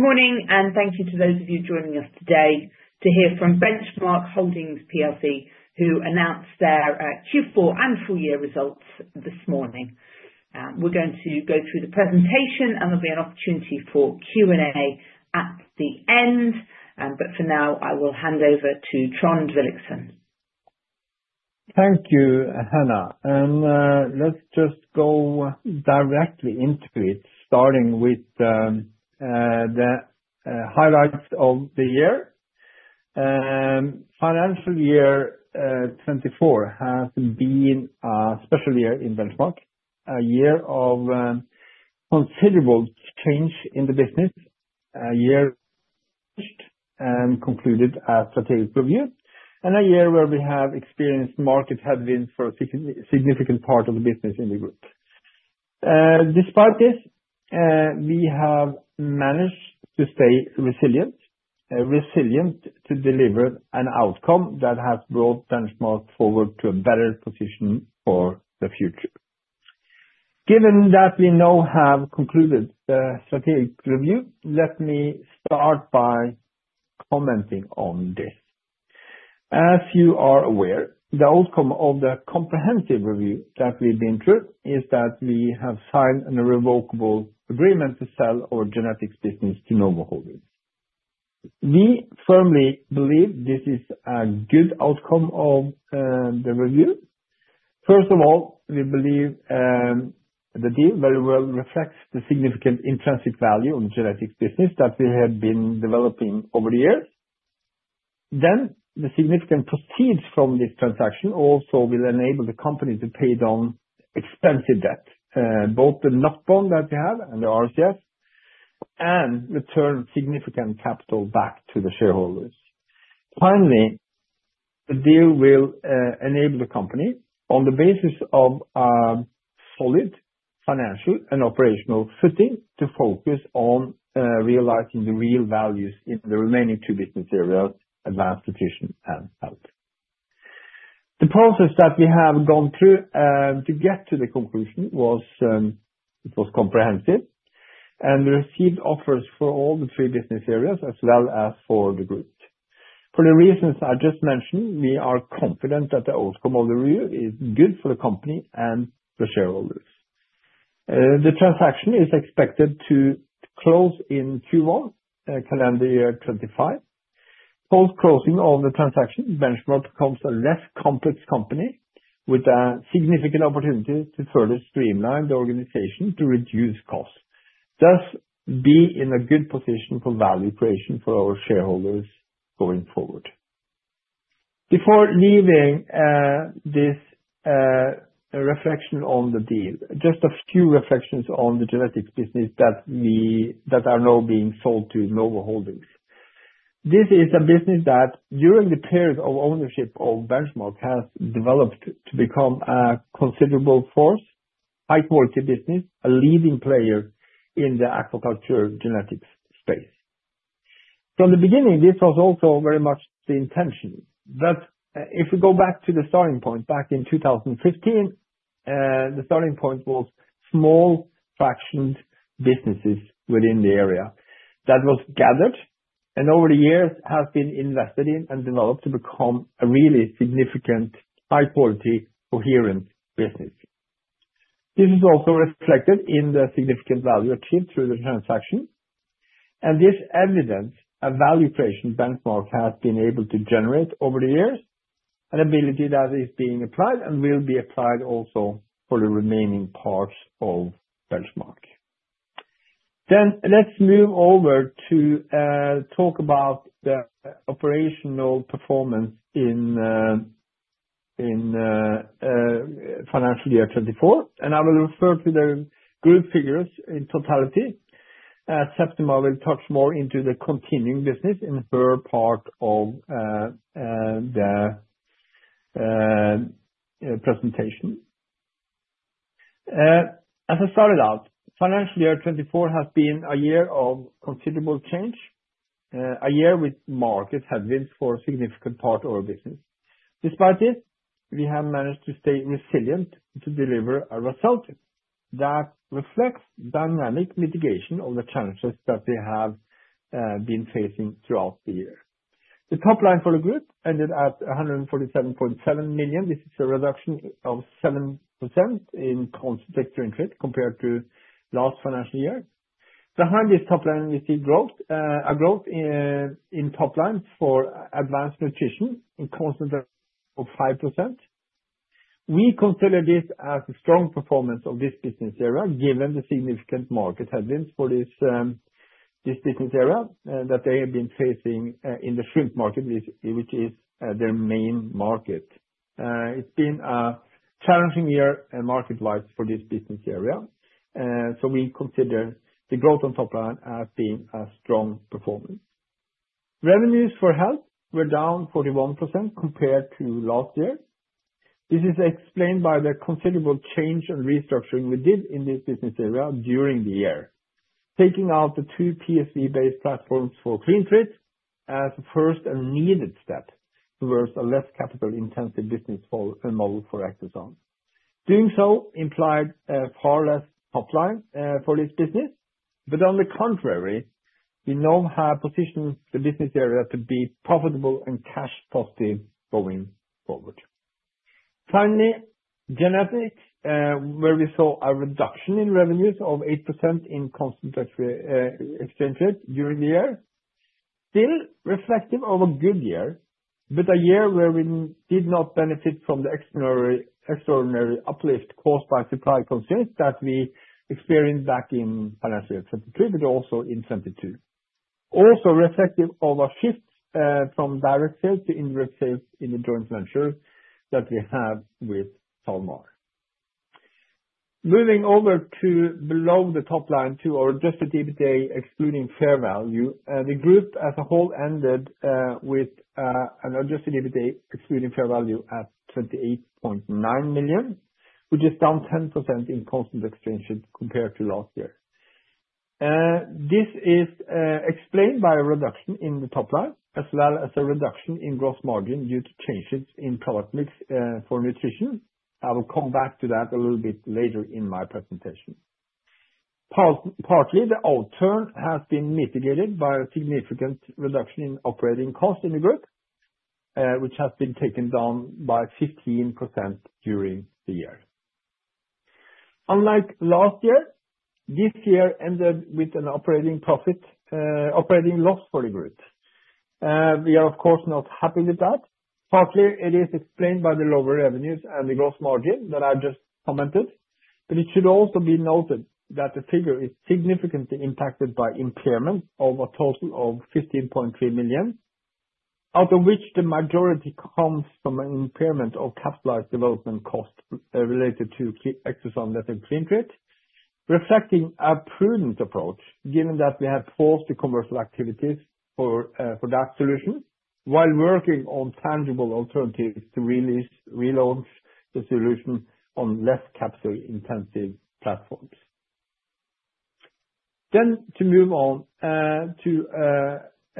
Good morning, and thank you to those of you joining us today to hear from Benchmark Holdings plc, who announced their Q4 and full-year results this morning. We're going to go through the presentation, and there'll be an opportunity for Q&A at the end. But for now, I will hand over to Trond Williksen. Thank you, Hannah, and let's just go directly into it, starting with the highlights of the year. Financial year 2024 has been a special year in Benchmark, a year of considerable change in the business, a year finished and concluded as strategic review, and a year where we have experienced market headwinds for a significant part of the business in the group. Despite this, we have managed to stay resilient to deliver an outcome that has brought Benchmark forward to a better position for the future. Given that we now have concluded the strategic review, let me start by commenting on this. As you are aware, the outcome of the comprehensive review that we've been through is that we have signed an irrevocable agreement to sell our Genetics business to Novo Holdings. We firmly believe this is a good outcome of the review. First of all, we believe the deal very well reflects the significant intrinsic value of the Genetics business that we have been developing over the years. Then, the significant proceeds from this transaction also will enable the company to pay down expensive debt, both the NOK Bond that we have and the RCF, and return significant capital back to the shareholders. Finally, the deal will enable the company, on the basis of solid financial and operational footing, to focus on realizing the real values in the remaining two business areas, Advanced Nutrition and Health. The process that we have gone through to get to the conclusion was comprehensive, and we received offers for all the three business areas as well as for the group. For the reasons I just mentioned, we are confident that the outcome of the review is good for the company and the shareholders. The transaction is expected to close in Q1, calendar year 2025. Post-closing of the transaction, Benchmark becomes a less complex company with a significant opportunity to further streamline the organization to reduce costs, thus be in a good position for value creation for our shareholders going forward. Before leaving this reflection on the deal, just a few reflections on the Genetics business that are now being sold to Novo Holdings. This is a business that, during the period of ownership of Benchmark, has developed to become a considerable force, high-quality business, a leading player in the aquaculture Genetics space. From the beginning, this was also very much the intention. But if we go back to the starting point, back in 2015, the starting point was small fractioned businesses within the area that was gathered and over the years has been invested in and developed to become a really significant, high-quality, coherent business. This is also reflected in the significant value achieved through the transaction. And this evidence of value creation Benchmark has been able to generate over the years, an ability that is being applied and will be applied also for the remaining parts of Benchmark. Then, let's move over to talk about the operational performance in financial year 2024. And I will refer to the group figures in totality. Septima will touch more into the continuing business in her part of the presentation. As I started out, financial year 2024 has been a year of considerable change, a year with market headwinds for a significant part of our business. Despite this, we have managed to stay resilient to deliver a result that reflects dynamic mitigation of the challenges that we have been facing throughout the year. The top line for the group ended at 147.7 million. This is a reduction of 7% in constant currency compared to last financial year. Behind this top line, we see a growth in top line for Advanced Nutrition in constant currency of 5%. We consider this as a strong performance of this business area, given the significant market headwinds for this business area that they have been facing in the shrimp market, which is their main market. It's been a challenging year and market life for this business area. So we consider the growth on top line as being a strong performance. Revenues for Health were down 41% compared to last year. This is explained by the considerable change and restructuring we did in this business area during the year, taking out the two PSV-based platforms for CleanTreat as a first and needed step towards a less capital-intensive business model for Ectosan Vet. Doing so implied far less top line for this business. But on the contrary, we now have positioned the business area to be profitable and cash-positive going forward. Finally, Genetics, where we saw a reduction in revenues of 8% in constant exchange rate during the year, still reflective of a good year, but a year where we did not benefit from the extraordinary uplift caused by supply concerns that we experienced back in financial year 2023, but also in 2022. Also reflective of a shift from direct sales to indirect sales in the joint venture that we have with SalMar. Moving over to below the top line to our adjusted EBITDA excluding fair value, the group as a whole ended with an adjusted EBITDA excluding fair value at 28.9 million, which is down 10% in constant exchange rate compared to last year. This is explained by a reduction in the top line as well as a reduction in gross margin due to changes in product mix for Nutrition. I will come back to that a little bit later in my presentation. Partly, the outturn has been mitigated by a significant reduction in operating costs in the group, which has been taken down by 15% during the year. Unlike last year, this year ended with an operating loss for the group. We are, of course, not happy with that. Partly, it is explained by the lower revenues and the gross margin that I just commented. But it should also be noted that the figure is significantly impacted by impairment of a total of 15.3 million, out of which the majority comes from an impairment of capitalized development costs related to Ectosan Vet that have been created, reflecting a prudent approach, given that we have paused the commercial activities for that solution while working on tangible alternatives to relaunch the solution on less capital-intensive platforms. Then, to move on to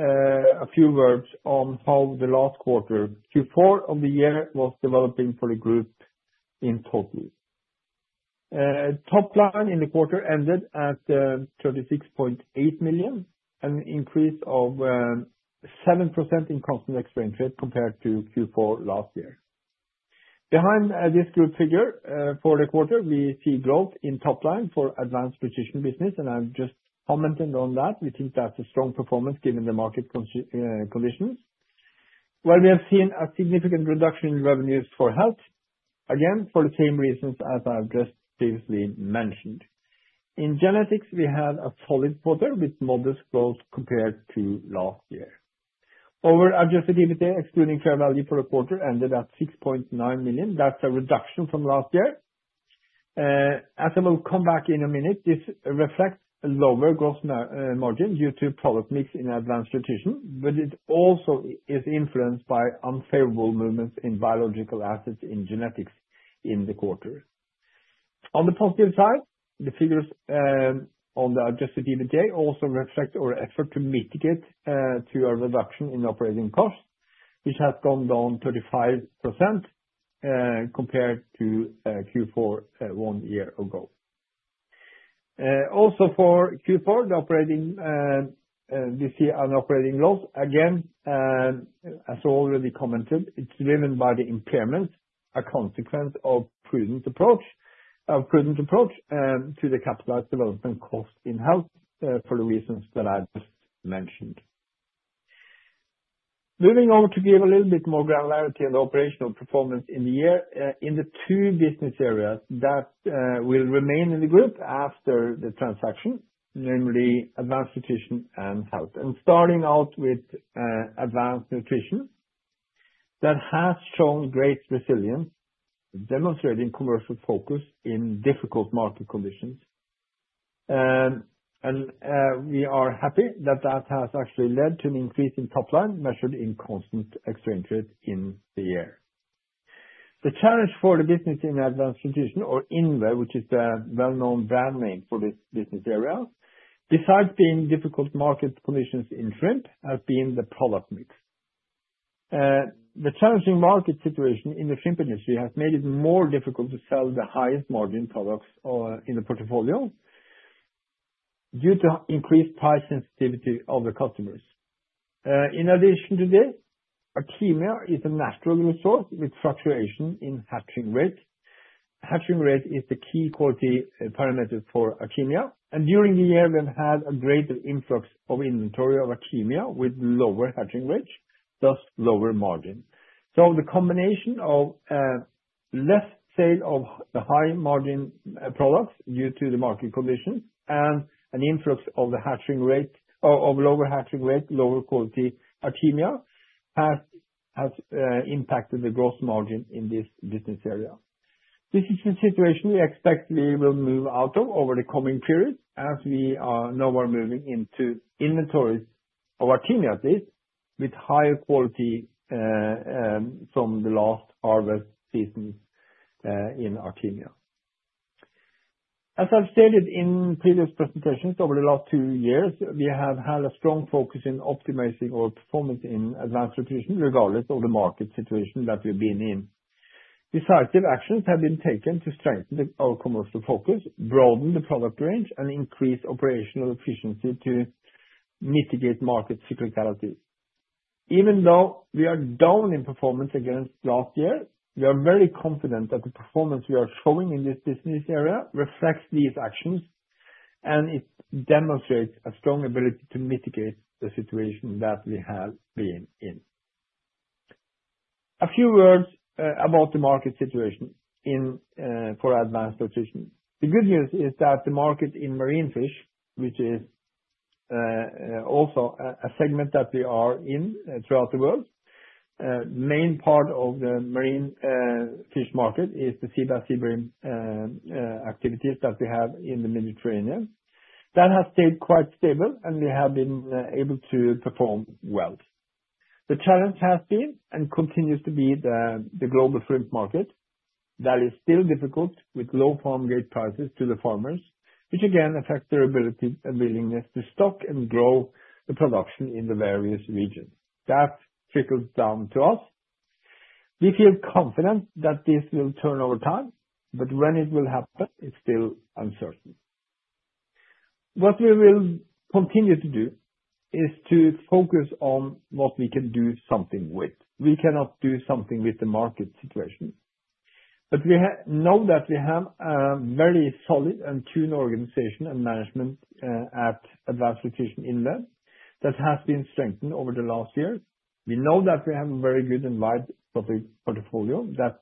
a few words on how the last quarter, Q4 of the year was developing for the group in total. Top line in the quarter ended at 36.8 million, an increase of 7% in constant exchange rate compared to Q4 last year. Behind this group figure for the quarter, we see growth in top line for Advanced Nutrition business, and I've just commented on that. We think that's a strong performance given the market conditions. While we have seen a significant reduction in revenues for Health, again, for the same reasons as I've just previously mentioned. In Genetics, we had a solid quarter with modest growth compared to last year. Our adjusted EBITDA excluding fair value for the quarter ended at 6.9 million. That's a reduction from last year. As I will come back in a minute, this reflects a lower gross margin due to product mix in Advanced Nutrition, but it also is influenced by unfavorable movements in biological assets in Genetics in the quarter. On the positive side, the figures on the adjusted EBITDA also reflect our effort to mitigate to a reduction in operating costs, which has gone down 35% compared to Q4 one year ago. Also, for Q4, we see an operating loss. Again, as already commented, it's driven by the impairment, a consequence of prudent approach to the capitalized development cost in Health for the reasons that I just mentioned. Moving on to give a little bit more granularity on the operational performance in the year, in the two business areas that will remain in the group after the transaction, namely Advanced Nutrition and Health. And starting out with Advanced Nutrition, that has shown great resilience, demonstrating commercial focus in difficult market conditions. And we are happy that that has actually led to an increase in top line measured in constant exchange rate in the year. The challenge for the business in Advanced Nutrition, or INVE, which is the well-known brand name for this business area, besides being difficult market conditions in shrimp, has been the product mix. The challenging market situation in the shrimp industry has made it more difficult to sell the highest margin products in the portfolio due to increased price sensitivity of the customers. In addition to this, Artemia is a natural resource with fluctuation in hatching rate. Hatching rate is the key quality parameter for Artemia, and during the year, we have had a greater influx of inventory of Artemia with lower hatching rate, thus lower margin, so the combination of less sale of the high margin products due to the market conditions and an influx of lower hatching rate, lower quality Artemia has impacted the gross margin in this business area. This is a situation we expect we will move out of over the coming period as we now are moving into inventories of Artemia at least with higher quality from the last harvest season in Artemia. As I've stated in previous presentations, over the last two years, we have had a strong focus in optimizing our performance in Advanced Nutrition regardless of the market situation that we've been in. Decisive actions have been taken to strengthen our commercial focus, broaden the product range, and increase operational efficiency to mitigate market cyclicality. Even though we are down in performance against last year, we are very confident that the performance we are showing in this business area reflects these actions, and it demonstrates a strong ability to mitigate the situation that we have been in. A few words about the market situation for Advanced Nutrition. The good news is that the market in marine fish, which is also a segment that we are in throughout the world, the main part of the marine fish market is the sea bass and sea bream activities that we have in the Mediterranean. That has stayed quite stable, and we have been able to perform well. The challenge has been and continues to be the global shrimp market that is still difficult with low farm-gate prices to the farmers, which again affects their ability and willingness to stock and grow the production in the various regions. That trickles down to us. We feel confident that this will turn over time, but when it will happen, it's still uncertain. What we will continue to do is to focus on what we can do something with. We cannot do something with the market situation. But we know that we have a very solid and tuned organization and management at Advanced Nutrition INVE that has been strengthened over the last year. We know that we have a very good and wide portfolio that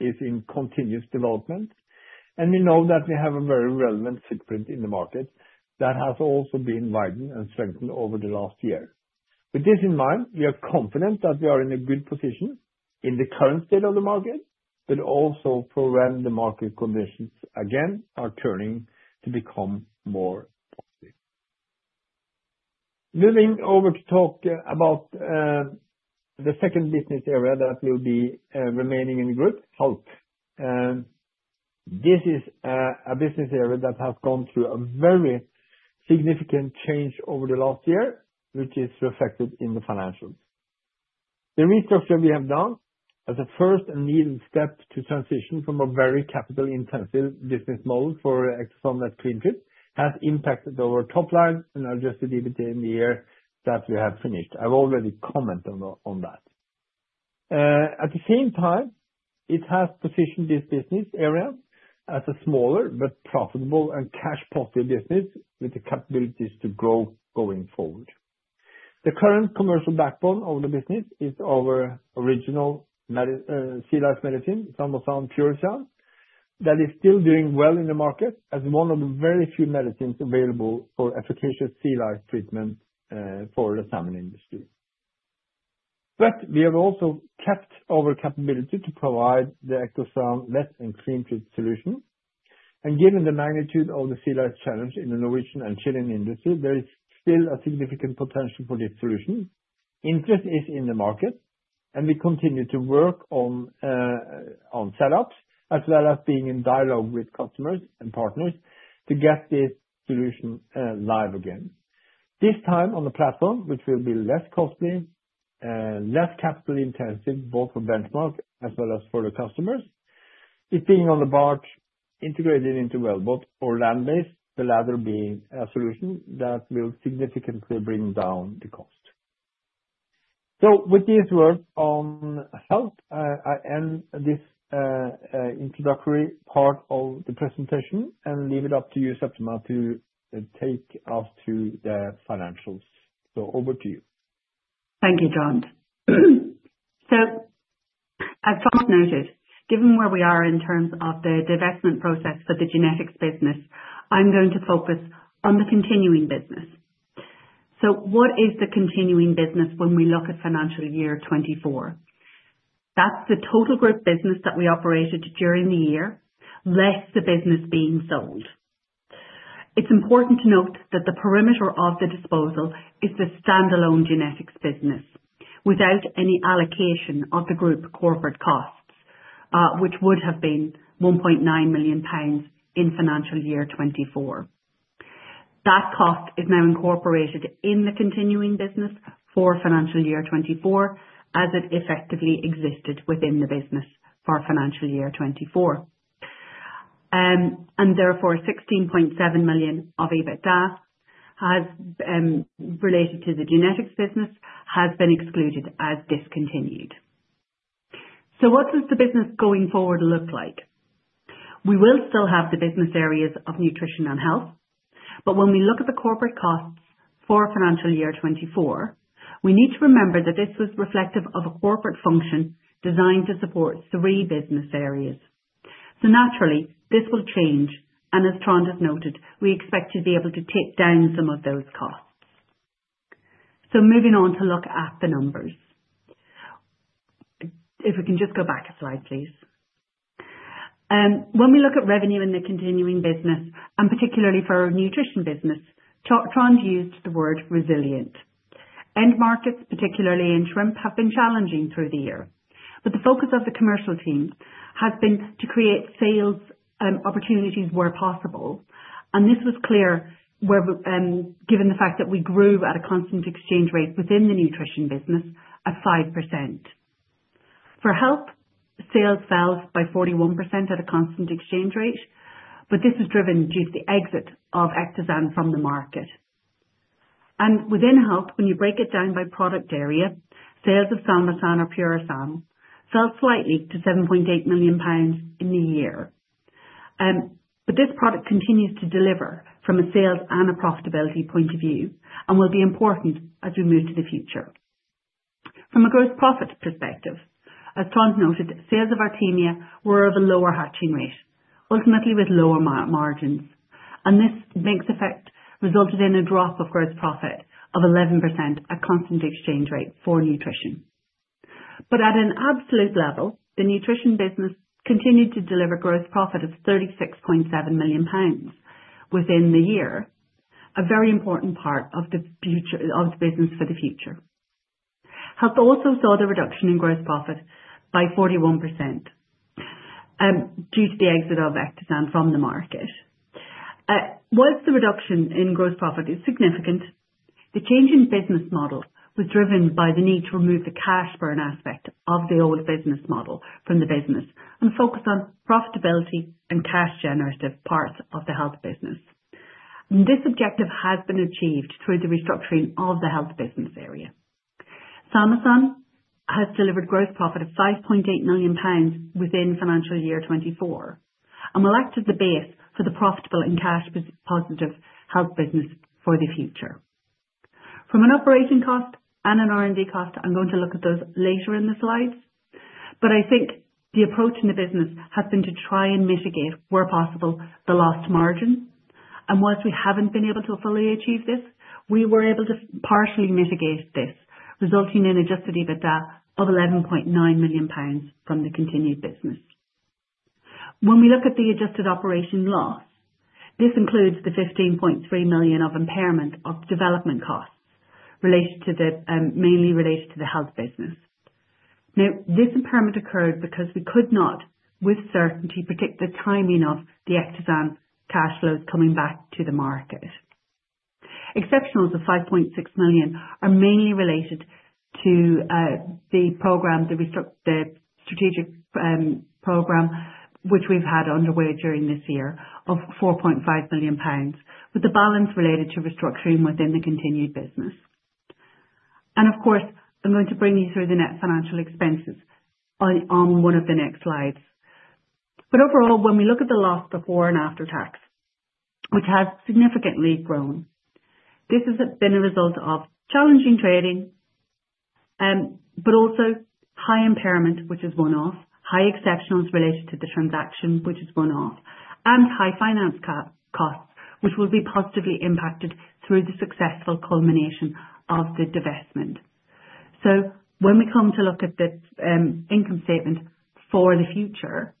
is in continuous development. And we know that we have a very relevant footprint in the market that has also been widened and strengthened over the last year. With this in mind, we are confident that we are in a good position in the current state of the market, but also for when the market conditions again are turning to become more positive. Moving over to talk about the second business area that will be remaining in the group, Health. This is a business area that has gone through a very significant change over the last year, which is reflected in the financials. The restructure we have done as a first and needed step to transition from a very capital-intensive business model for Ectosan Vet that CleanTreat has impacted our top line and adjusted EBITDA in the year that we have finished. I've already commented on that. At the same time, it has positioned this business area as a smaller but profitable and cash-positive business with the capabilities to grow going forward. The current commercial backbone of the business is our original sea lice medicine, Salmosan/Purisan, that is still doing well in the market as one of the very few medicines available for efficacious sea lice treatment for the salmon industry. But we have also kept our capability to provide the Ectosan Vet and CleanTreat solution. And given the magnitude of the sea lice challenge in the Norwegian and Chilean industry, there is still a significant potential for this solution. Interest is in the market, and we continue to work on setups as well as being in dialogue with customers and partners to get this solution live again. This time on the platform, which will be less costly, less capital-intensive, both for Benchmark as well as for the customers, it being on the barge integrated into wellboat or land-based, the latter being a solution that will significantly bring down the cost. So with these words on Health, I end this introductory part of the presentation and leave it up to you, Septima, to take us to the financials. So over to you. Thank you, Trond. So as Trond noted, given where we are in terms of the divestment process for the Genetics business, I'm going to focus on the continuing business. So what is the continuing business when we look at financial year 2024? That's the total group business that we operated during the year, less the business being sold. It's important to note that the perimeter of the disposal is the standalone Genetics business without any allocation of the group corporate costs, which would have been 1.9 million pounds in financial year 2024. That cost is now incorporated in the continuing business for financial year 2024 as it effectively existed within the business for financial year 2024. And therefore, 16.7 million of EBITDA related to the Genetics business has been excluded as discontinued. So what does the business going forward look like? We will still have the business areas of Nutrition and Health, but when we look at the corporate costs for financial year 2024, we need to remember that this was reflective of a corporate function designed to support three business areas. Naturally, this will change, and as Trond has noted, we expect to be able to take down some of those costs. Moving on to look at the numbers. If we can just go back a slide, please. When we look at revenue in the continuing business, and particularly for our Nutrition business, Trond used the word resilient. End markets, particularly in shrimp, have been challenging through the year. But the focus of the commercial team has been to create sales opportunities where possible. And this was clear given the fact that we grew at a constant exchange rate within the Nutrition business at 5%. For Health, sales fell by 41% at a constant exchange rate, but this was driven due to the exit of Ectosan Vet from the market. Within Health, when you break it down by product area, sales of Salmosan/Purisan fell slightly to 7.8 million pounds in the year. This product continues to deliver from a sales and a profitability point of view and will be important as we move to the future. From a gross profit perspective, as Trond noted, sales of Artemia were of a lower hatching rate, ultimately with lower margins. This mixed effect resulted in a drop of gross profit of 11% at constant exchange rate for Nutrition. At an absolute level, the Nutrition business continued to deliver gross profit of 36.7 million pounds within the year, a very important part of the business for the future. Health also saw the reduction in gross profit by 41% due to the exit of Ectosan from the market. While the reduction in gross profit is significant, the change in business model was driven by the need to remove the cash burn aspect of the old business model from the business and focus on profitability and cash-generative parts of the Health business. And this objective has been achieved through the restructuring of the Health business area. Salmosan has delivered gross profit of 5.8 million pounds within financial year 2024 and will act as the base for the profitable and cash-positive Health business for the future. From an operating cost and an R&D cost, I'm going to look at those later in the slides. But I think the approach in the business has been to try and mitigate, where possible, the lost margin. And while we haven't been able to fully achieve this, we were able to partially mitigate this, resulting in adjusted EBITDA of 11.9 million pounds from the continued business. When we look at the adjusted operating loss, this includes the 15.3 million of impairment of development costs mainly related to the Health business. Now, this impairment occurred because we could not with certainty predict the timing of the Ectosan cash flows coming back to the market. Exceptionals of 5.6 million are mainly related to the strategic program, which we've had underway during this year of 4.5 million pounds, with the balance related to restructuring within the continued business. Of course, I'm going to bring you through the net financial expenses on one of the next slides. But overall, when we look at the loss before and after tax, which has significantly grown, this has been a result of challenging trading, but also high impairment, which has worn off, high exceptionals related to the transaction, which has worn off, and high finance costs, which will be positively impacted through the successful culmination of the divestment. So when we come to look at the income statement for the future,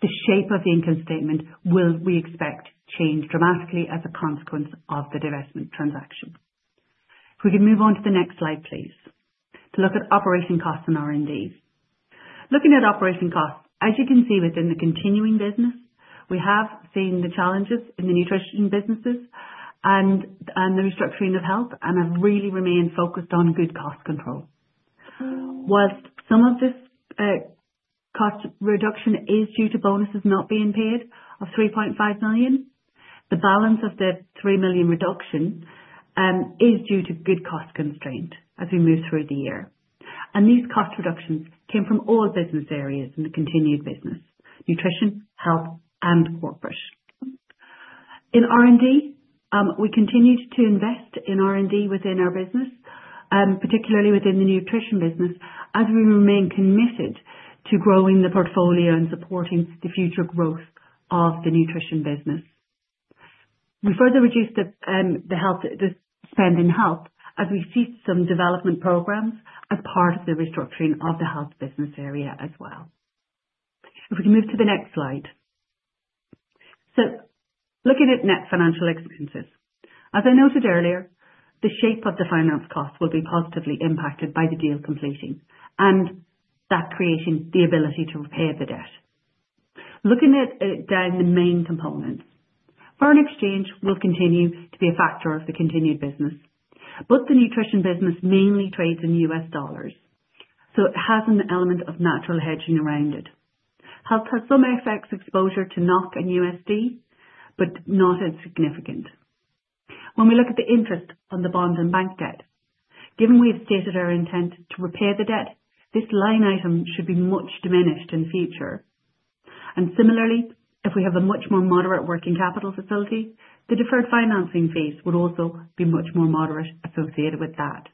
the shape of the income statement will, we expect, change dramatically as a consequence of the divestment transaction. If we can move on to the next slide, please, to look at operating costs and R&D. Looking at operating costs, as you can see within the continuing business, we have seen the challenges in the Nutrition businesses and the restructuring of Health and have really remained focused on good cost control. While some of this cost reduction is due to bonuses not being paid of 3.5 million, the balance of the 3 million reduction is due to good cost containment as we move through the year, and these cost reductions came from all business areas in the continued business: Nutrition, Health, and corporate. In R&D, we continued to invest in R&D within our business, particularly within the Nutrition business, as we remain committed to growing the portfolio and supporting the future growth of the Nutrition business. We further reduced the spend in Health as we cease some development programs as part of the restructuring of the Health business area as well. If we can move to the next slide, so looking at net financial expenses. As I noted earlier, the shape of the finance costs will be positively impacted by the deal completing and that creating the ability to repay the debt. Looking at it down the main components, foreign exchange will continue to be a factor of the continued business, but the Nutrition business mainly trades in US dollars, so it has an element of natural hedging around it. Health has some FX exposure to NOK and USD, but not as significant. When we look at the interest on the bond and bank debt, given we've stated our intent to repay the debt, this line item should be much diminished in the future. Similarly, if we have a much more moderate working capital facility, the deferred financing fees would also be much more moderate associated with that.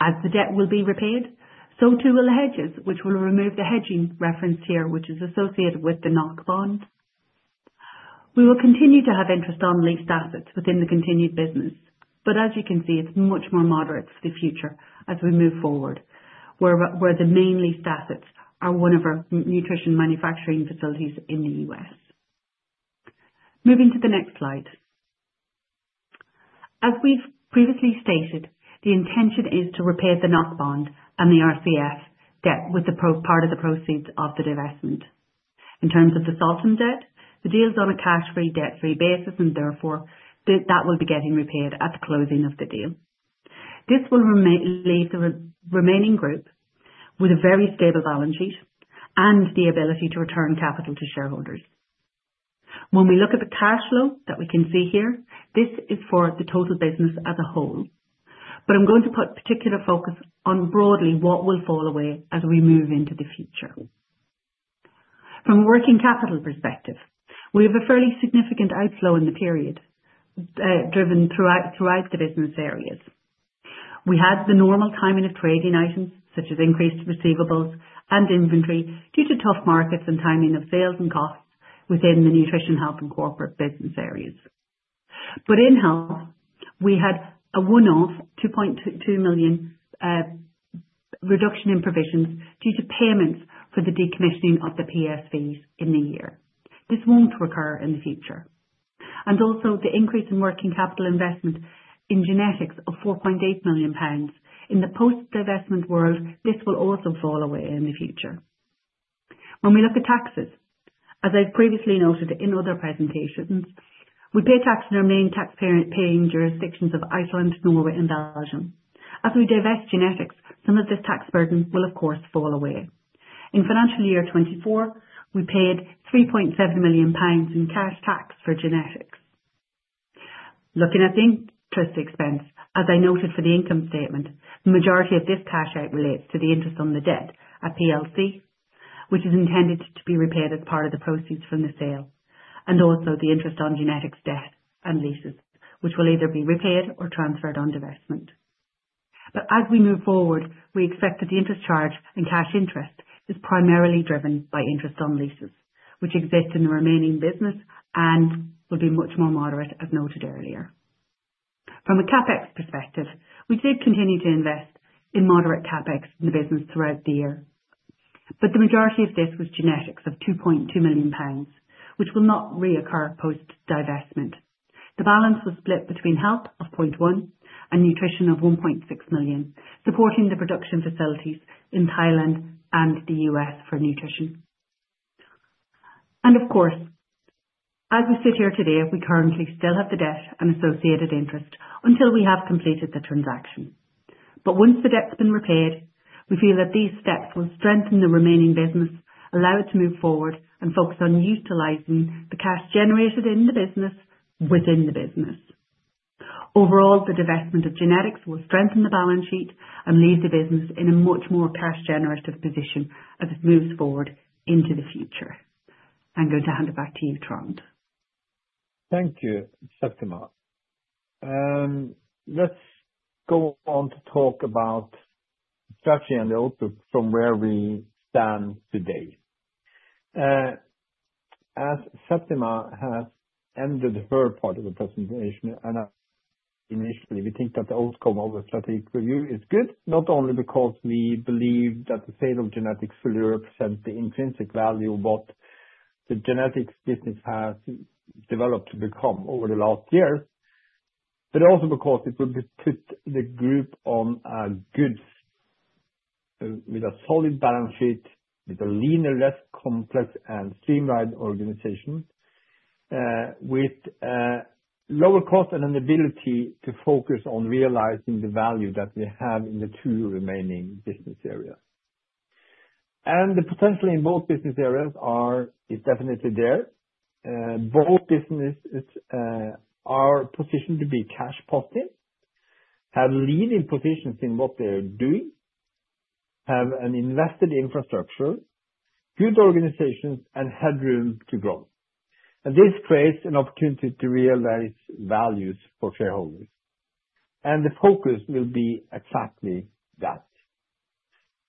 As the debt will be repaid, so too will the hedges, which will remove the hedging referenced here, which is associated with the NOK Bond. We will continue to have interest on leased assets within the continued business, but as you can see, it's much more moderate for the future as we move forward, where the main leased assets are one of our Nutrition manufacturing facilities in the U.S. Moving to the next slide. As we've previously stated, the intention is to repay the NOK Bond and the RCF debt with the part of the proceeds of the divestment. In terms of the sale and debt, the deal's on a cash-free, debt-free basis, and therefore that will be getting repaid at the closing of the deal. This will leave the remaining group with a very stable balance sheet and the ability to return capital to shareholders. When we look at the cash flow that we can see here, this is for the total business as a whole. But I'm going to put particular focus on broadly what will fall away as we move into the future. From a working capital perspective, we have a fairly significant outflow in the period driven throughout the business areas. We had the normal timing of trading items such as increased receivables and inventory due to tough markets and timing of sales and costs within the Nutrition, Health, and corporate business areas. But in Health, we had a one-off 2.2 million reduction in provisions due to payments for the decommissioning of the PSVs in the year. This won't recur in the future, and also, the increase in working capital investment in Genetics of 4.8 million pounds in the post-divestment world, this will also fall away in the future. When we look at taxes, as I've previously noted in other presentations, we pay tax in our main taxpaying jurisdictions of Iceland, Norway, and Belgium. As we divest Genetics, some of this tax burden will, of course, fall away. In financial year 2024, we paid 3.7 million pounds in cash tax for Genetics. Looking at the interest expense, as I noted for the income statement, the majority of this cash out relates to the interest on the debt at PLC, which is intended to be repaid as part of the proceeds from the sale, and also the interest on Genetics debt and leases, which will either be repaid or transferred on divestment. But as we move forward, we expect that the interest charge and cash interest is primarily driven by interest on leases, which exist in the remaining business and will be much more moderate, as noted earlier. From a CapEx perspective, we did continue to invest in moderate CapEx in the business throughout the year. But the majority of this was Genetics of 2.2 million pounds, which will not reoccur post-divestment. The balance was split between Health of 0.1 million and Nutrition of 1.6 million, supporting the production facilities in Thailand and the U.S. for Nutrition. And of course, as we sit here today, we currently still have the debt and associated interest until we have completed the transaction. But once the debt's been repaid, we feel that these steps will strengthen the remaining business, allow it to move forward, and focus on utilizing the cash generated in the business within the business. Overall, the divestment of Genetics will strengthen the balance sheet and leave the business in a much more cash-generative position as it moves forward into the future. I'm going to hand it back to you, Trond. Thank you, Septima. Let's go on to talk about strategy and the outlook from where we stand today. As Septima has ended her part of the presentation, initially, we think that the outcome of the strategy for you is good, not only because we believe that the sale of Genetics will represent the intrinsic value of what the Genetics business has developed to become over the last years, but also because it will put the group on a good footing with a solid balance sheet, with a leaner, less complex, and streamlined organization, with lower cost and an ability to focus on realizing the value that we have in the two remaining business areas. The potential in both business areas is definitely there. Both businesses are positioned to be cash-positive, have leading positions in what they're doing, have an invested infrastructure, good organizations, and headroom to grow, and this creates an opportunity to realize values for shareholders, and the focus will be exactly that,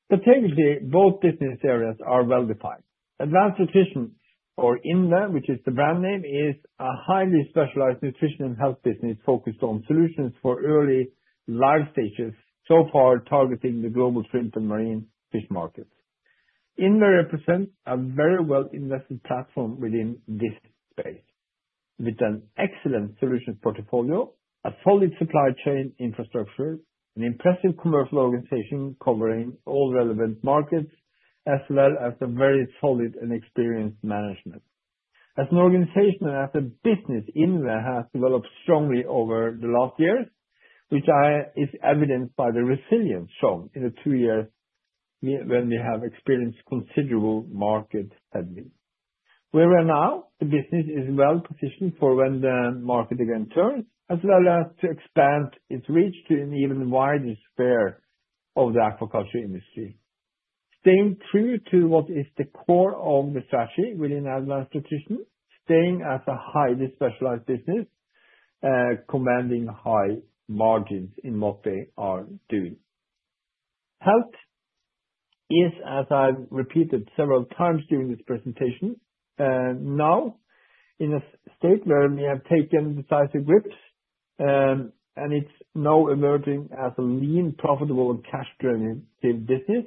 but technically, both business areas are well-defined. Advanced Nutrition or INVE, which is the brand name, is a highly specialized Nutrition and Health business focused on solutions for early life stages, so far targeting the global shrimp and marine fish markets. INVE represents a very well-invested platform within this space, with an excellent solutions portfolio, a solid supply chain infrastructure, an impressive commercial organization covering all relevant markets, as well as a very solid and experienced management. As an organization and as a business, INVE has developed strongly over the last years, which is evidenced by the resilience shown in the two years when we have experienced considerable market headwinds. Where we are now, the business is well-positioned for when the market again turns, as well as to expand its reach to an even wider sphere of the aquaculture industry. Staying true to what is the core of the strategy within Advanced Nutrition, staying as a highly specialized business, commanding high margins in what they are doing. Health is, as I've repeated several times during this presentation, now in a state where we have taken decisive grips, and it's now emerging as a lean, profitable, and cash-driven business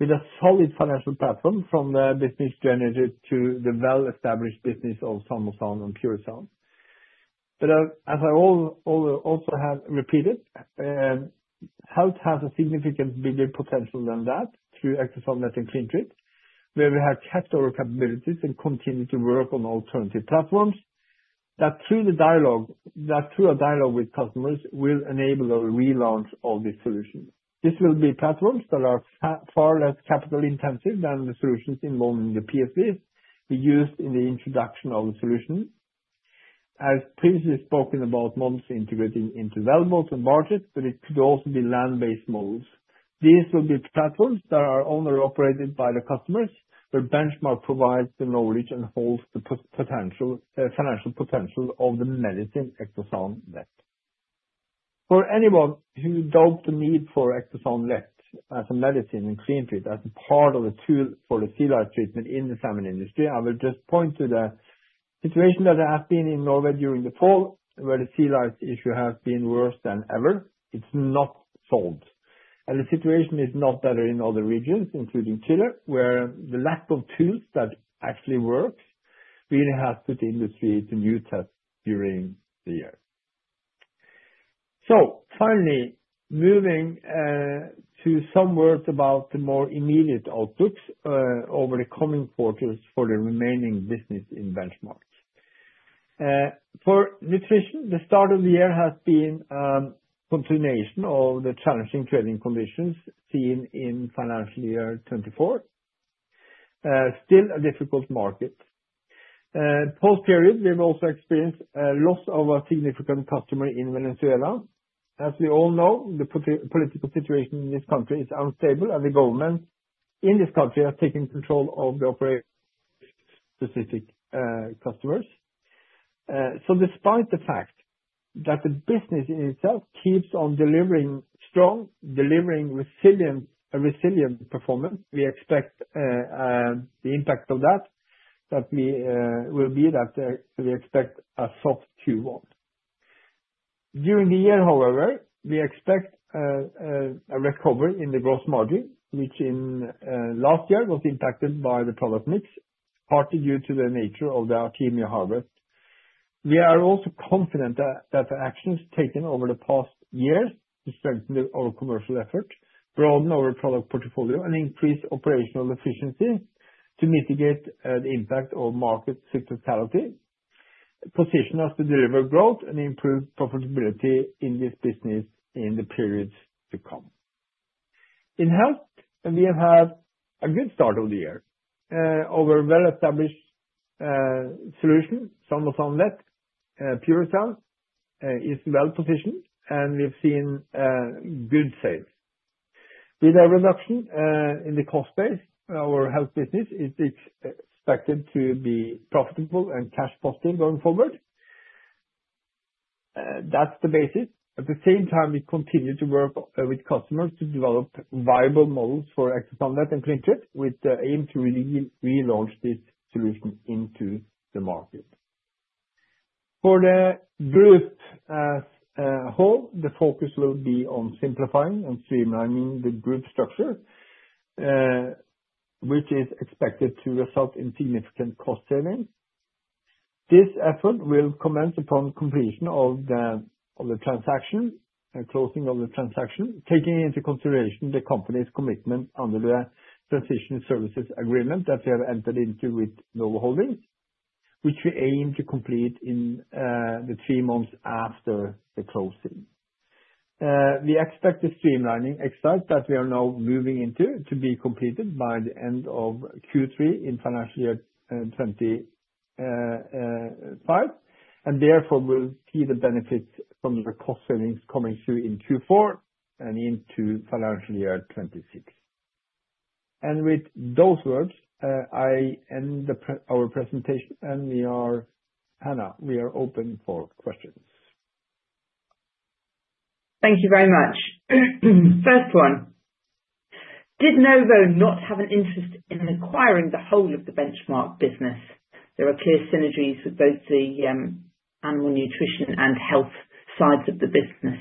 with a solid financial platform from the business generator to the well-established business of Salmosan and Purisan. But as I also have repeated, Health has a significantly bigger potential than that through Ectosan Vet and CleanTreat, where we have capped our capabilities and continue to work on alternative platforms that, through a dialogue with customers, will enable a relaunch of the solution. This will be platforms that are far less capital-intensive than the solutions involved in the PSVs we used in the introduction of the solution. I've previously spoken about models integrating into wellboats and barges, but it could also be land-based models. These will be platforms that are owned and operated by the customers, where Benchmark provides the knowledge and holds the financial potential of the medicine Ectosan Vet. For anyone who doubts the need for Ectosan Vet as a medicine and CleanTreat as a part of a tool for the sea lice treatment in the salmon industry, I will just point to the situation that has been in Norway during the fall, where the sea lice issue has been worse than ever. It's not solved, and the situation is not better in other regions, including Chile, where the lack of tools that actually work really has put the industry to new tests during the year. Finally, moving to some words about the more immediate outlooks over the coming quarters for the remaining business in Benchmark. For Nutrition, the start of the year has been a continuation of the challenging trading conditions seen in financial year 2024. Still a difficult market. Post-period, we've also experienced a loss of a significant customer in Venezuela. As we all know, the political situation in this country is unstable, and the government in this country has taken control of the operation of specific customers. So despite the fact that the business in itself keeps on delivering strong, delivering resilient performance, we expect the impact of that will be that we expect a soft Q1. During the year, however, we expect a recovery in the gross margin, which in last year was impacted by the product mix, partly due to the nature of the Artemia harvest. We are also confident that the actions taken over the past years to strengthen our commercial effort, broaden our product portfolio, and increase operational efficiency to mitigate the impact of market cyclicality position us to deliver growth and improve profitability in this business in the periods to come. In Health, we have had a good start of the year. Our well-established solution, Salmosan Vet, Purisan, is well-positioned, and we've seen good sales. With a reduction in the cost base, our Health business is expected to be profitable and cash-positive going forward. That's the basis. At the same time, we continue to work with customers to develop viable models for Ectosan Vet and CleanTreat, with the aim to relaunch this solution into the market. For the group as a whole, the focus will be on simplifying and streamlining the group structure, which is expected to result in significant cost savings. This effort will commence upon completion of the transaction and closing of the transaction, taking into consideration the company's commitment under the Transition Services Agreement that we have entered into with Novo Holdings, which we aim to complete in the three months after the closing. We expect the streamlining exercise that we are now moving into to be completed by the end of Q3 in financial year 2025, and therefore we'll see the benefits from the cost savings coming through in Q4 and into financial year 2026. With those words, I end our presentation, and we are, Hannah, we are open for questions. Thank you very much. First one. Did Novo not have an interest in acquiring the whole of the Benchmark business? There are clear synergies with both the animal Nutrition and Health sides of the business.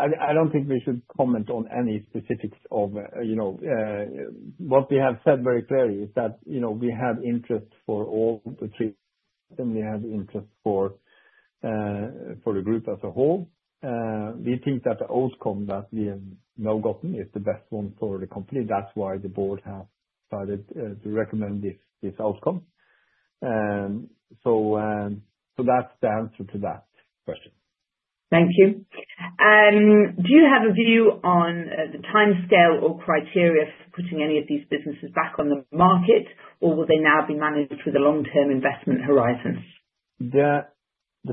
I don't think we should comment on any specifics of what we have said. Very clearly is that we have interest for all the three of them. We have interest for the group as a whole. We think that the outcome that we have now gotten is the best one for the company. That's why the board has started to recommend this outcome. So that's the answer to that question. Thank you. Do you have a view on the timescale or criteria for putting any of these businesses back on the market, or will they now be managed with a long-term investment horizon? The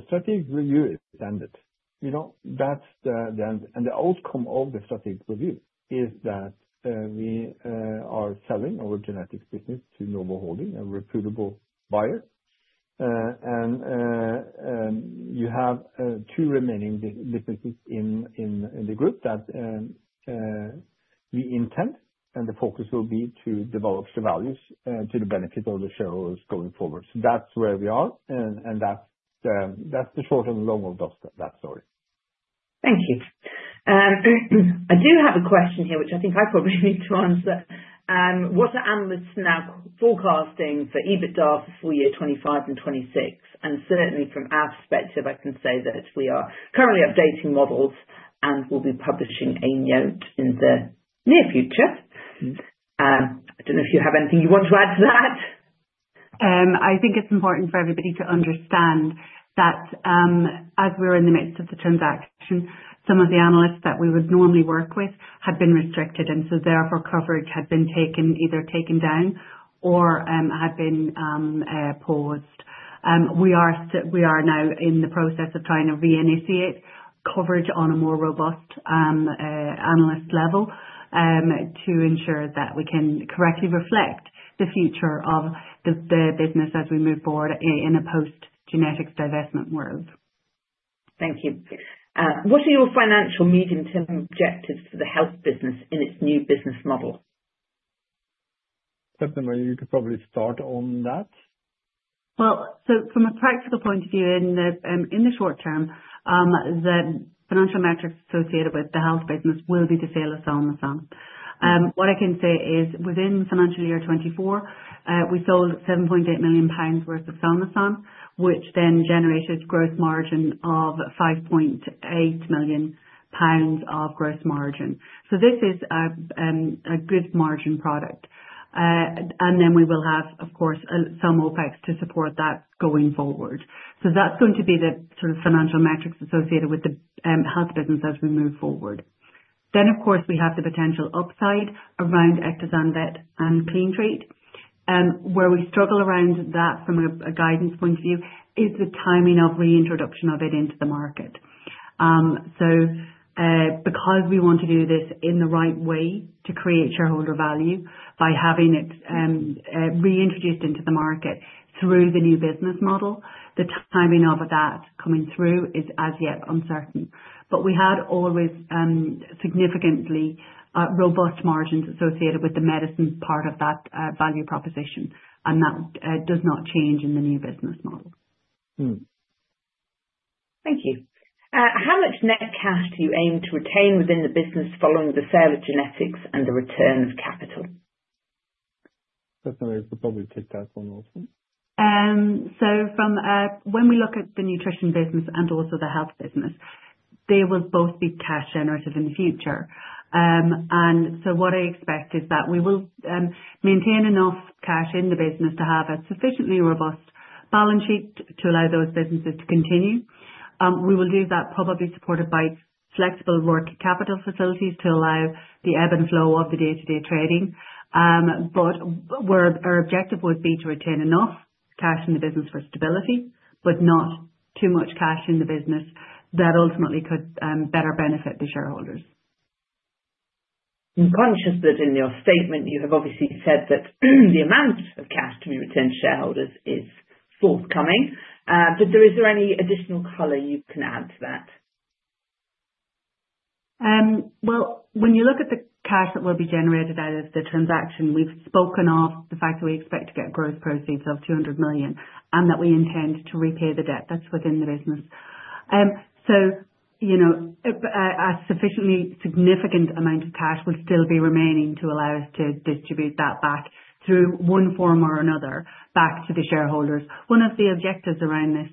strategic review is standard, and the outcome of the strategic review is that we are selling our Genetics business to Novo Holdings, a reputable buyer, and you have two remaining businesses in the group that we intend, and the focus will be to develop the values to the benefit of the shareholders going forward, so that's where we are, and that's the short and the long of that story. Thank you. I do have a question here, which I think I probably need to answer. What are analysts now forecasting for EBITDA for full year 2025 and 2026? And certainly, from our perspective, I can say that we are currently updating models and will be publishing a note in the near future. I don't know if you have anything you want to add to that? I think it's important for everybody to understand that as we were in the midst of the transaction, some of the analysts that we would normally work with had been restricted, and so therefore coverage had been either taken down or had been paused. We are now in the process of trying to reinitiate coverage on a more robust analyst level to ensure that we can correctly reflect the future of the business as we move forward in a post-genetics divestment world. Thank you. What are your financial medium-term objectives for the Health business in its new business model? Septima, you could probably start on that? Well, so from a practical point of view, in the short term, the financial metrics associated with the Health business will be to sell the Salmosan. What I can say is, within financial year 2024, we sold 7.8 million pounds worth of Salmosan, which then generated gross margin of 5.8 million pounds of gross margin. So this is a good margin product. And then we will have, of course, some OpEx to support that going forward. So that's going to be the sort of financial metrics associated with the Health business as we move forward. Then, of course, we have the potential upside around Ectosan Vet and CleanTreat, where we struggle around that from a guidance point of view is the timing of reintroduction of it into the market. Because we want to do this in the right way to create shareholder value by having it reintroduced into the market through the new business model, the timing of that coming through is as yet uncertain. But we had always significantly robust margins associated with the medicine part of that value proposition, and that does not change in the new business model. Thank you. How much net cash do you aim to retain within the business following the sale of Genetics and the return of capital? Septima, you could probably take that one also? So when we look at the Nutrition business and also the Health business, there will both be cash generated in the future. And so what I expect is that we will maintain enough cash in the business to have a sufficiently robust balance sheet to allow those businesses to continue. We will do that probably supported by flexible working capital facilities to allow the ebb and flow of the day-to-day trading. But our objective would be to retain enough cash in the business for stability, but not too much cash in the business that ultimately could better benefit the shareholders. I'm conscious that in your statement, you have obviously said that the amount of cash to be returned to shareholders is forthcoming. But is there any additional color you can add to that? Well, when you look at the cash that will be generated out of the transaction, we've spoken of the fact that we expect to get gross proceeds of 200 million and that we intend to repay the debt that's within the business. A sufficiently significant amount of cash would still be remaining to allow us to distribute that back through one form or another back to the shareholders. One of the objectives around this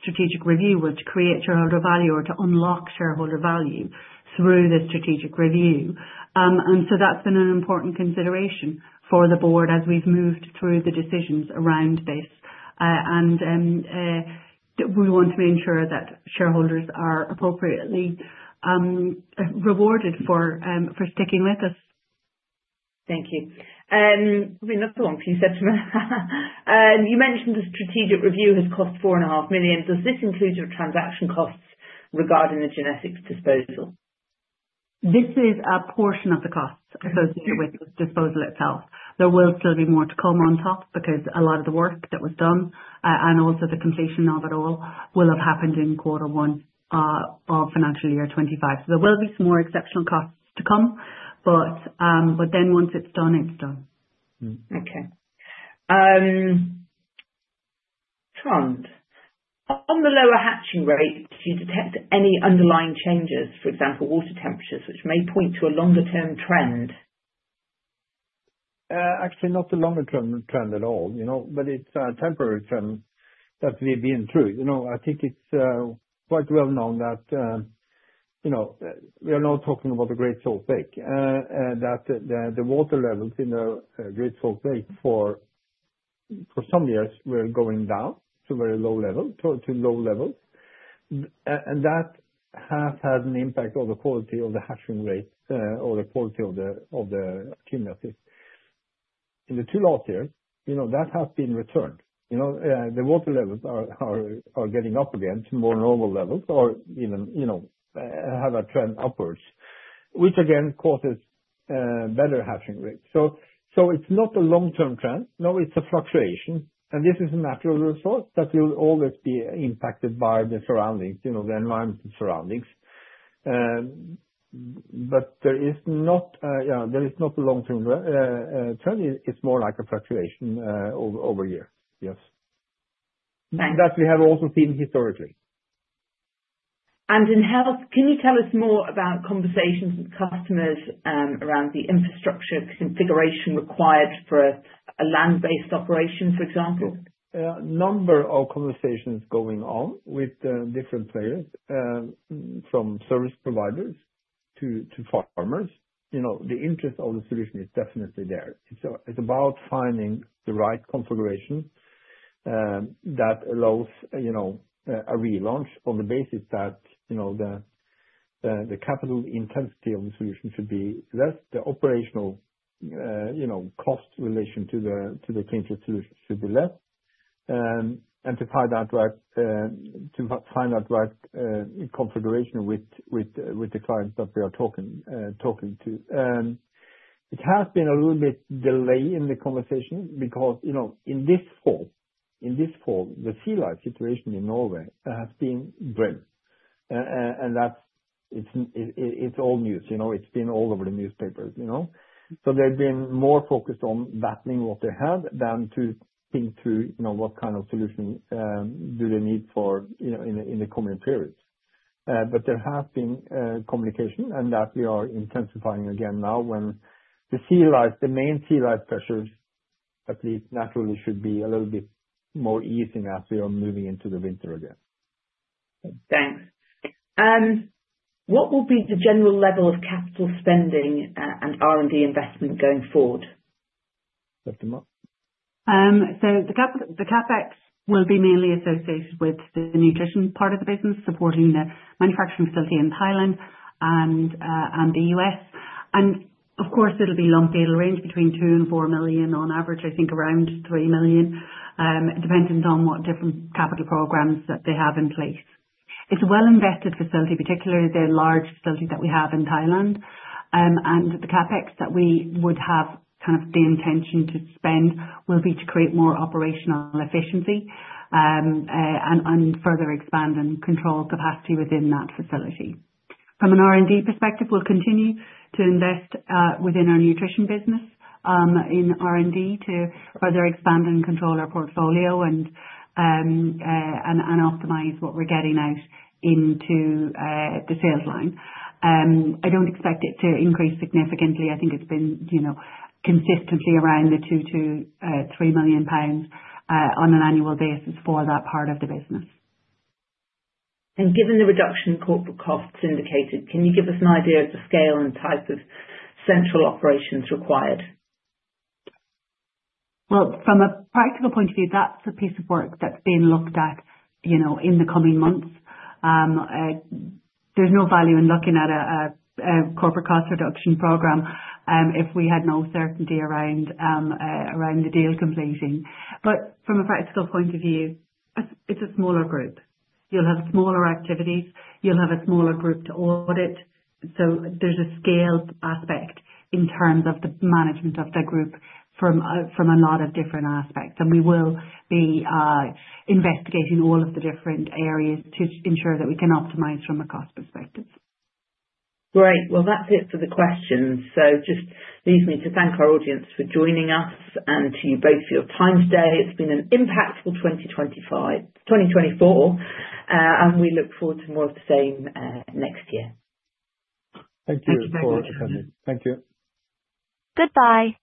strategic review was to create shareholder value or to unlock shareholder value through the strategic review. And so that's been an important consideration for the board as we've moved through the decisions around this. And we want to ensure that shareholders are appropriately rewarded for sticking with us. Thank you. Probably another one for you, Septima. You mentioned the strategic review has cost 4.5 million. Does this include your transaction costs regarding the Genetics disposal? This is a portion of the costs associated with the disposal itself. There will still be more to come on top because a lot of the work that was done and also the completion of it all will have happened in quarter one of financial year 2025. So there will be some more exceptional costs to come, but then once it's done, it's done. Okay. Trond, on the lower hatching rate, do you detect any underlying changes, for example, water temperatures, which may point to a longer-term trend? Actually, not a longer-term trend at all, but it's a temporary trend that we've been through. I think it's quite well known that we are now talking about the Great Salt Lake, that the water levels in the Great Salt Lake for some years were going down to very low levels, to low levels, and that has had an impact on the quality of the hatching rate or the quality of the cumulative. In the two last years, that has been returned. The water levels are getting up again to more normal levels or even have a trend upwards, which again causes better hatching rates. So it's not a long-term trend. No, it's a fluctuation. And this is a natural resource that will always be impacted by the surroundings, the environmental surroundings. But there is not a long-term trend. It's more like a fluctuation over years, yes. And that we have also seen historically. And in Health, can you tell us more about conversations with customers around the infrastructure configuration required for a land-based operation, for example? A number of conversations going on with different players, from service providers to farmers. The interest of the solution is definitely there. It's about finding the right configuration that allows a relaunch on the basis that the capital intensity of the solution should be less, the operational cost relation to the CleanTreat solution should be less, and to find the right configuration with the clients that we are talking to. It has been a little bit delayed in the conversation because in this fall, the sea lice situation in Norway has been grim, and it's old news. It's been all over the newspapers, so they've been more focused on battling what they have than to think through what kind of solution do they need in the coming periods, but there has been communication, and that we are intensifying again now when the main sea lice pressures, at least naturally, should be a little bit more easing as we are moving into the winter again. Thanks. What will be the general level of capital spending and R&D investment going forward? Septima? So the CapEx will be mainly associated with the Nutrition part of the business, supporting the manufacturing facility in Thailand and the U.S. And of course, it'll be lumpy, it'll range between 2 million and 4 million on average, I think around 3 million, dependent on what different capital programs that they have in place. It's a well-invested facility, particularly the large facility that we have in Thailand. And the CapEx that we would have kind of the intention to spend will be to create more operational efficiency and further expand and control capacity within that facility. From an R&D perspective, we'll continue to invest within our Nutrition business in R&D to further expand and control our portfolio and optimize what we're getting out into the sales line. I don't expect it to increase significantly. I think it's been consistently around the 2 million-3 million pounds on an annual basis for that part of the business. Given the reduction in corporate costs indicated, can you give us an idea of the scale and type of central operations required? From a practical point of view, that's a piece of work that's being looked at in the coming months. There's no value in looking at a corporate cost reduction program if we had no certainty around the deal completing. From a practical point of view, it's a smaller group. You'll have smaller activities. You'll have a smaller group to audit. There's a scale aspect in terms of the management of the group from a lot of different aspects. We will be investigating all of the different areas to ensure that we can optimize from a cost perspective. Great. That's it for the questions, so just leaves me to thank our audience for joining us and to you both for your time today. It's been an impactful 2024, and we look forward to more of the same next year. Thank you very much for your time. Thank you. Goodbye.